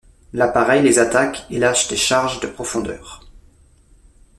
L'appareil les attaque et lâche des charges de profondeur.